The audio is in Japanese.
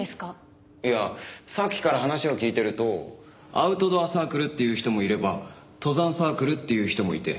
いやさっきから話を聞いてるとアウトドアサークルって言う人もいれば登山サークルって言う人もいて。